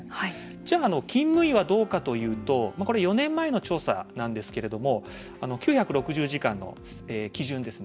じゃあ、勤務医はどうかというとこれは４年前の調査なんですけど９６０時間の基準ですね